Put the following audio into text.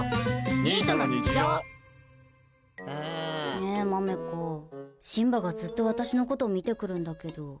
ねえ、まめこシンバがずっと私のこと見てくるんだけど。